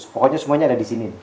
pokoknya semuanya ada di sini